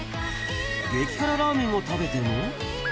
激辛ラーメンを食べても。